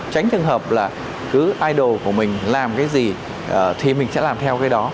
tránh trường hợp là cứ idol của mình làm cái gì thì mình sẽ làm theo cái đó